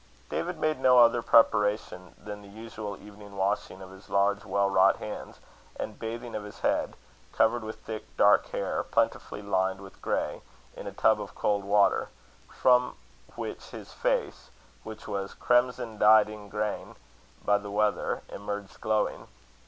David made no other preparation than the usual evening washing of his large well wrought hands, and bathing of his head, covered with thick dark hair, plentifully lined with grey, in a tub of cold water; from which his face, which was "cremsin dyed ingrayne" by the weather, emerged glowing.